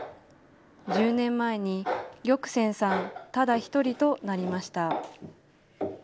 １０年前に、玉泉さんただ一人となりました。